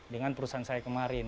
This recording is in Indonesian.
dengan perusahaan saya kemarin